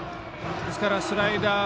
ですから、スライダー。